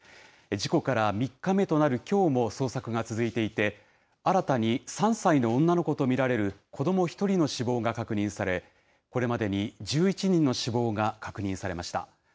事故から３日目となるきょうも捜索が続いていて、新たに３歳の女の子と見られる子ども１人の死亡が確認され、これまでに１１人の死亡が確認されました。